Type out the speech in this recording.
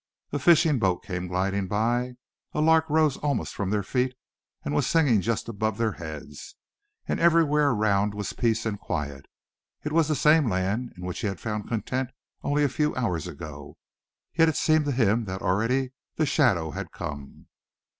A fishing boat came gliding by. A lark rose almost from their feet, and was singing just above their heads. Everywhere around was peace and quiet. It was the same land in which he had found content only a few hours ago, yet it seemed to him that already the shadow had come.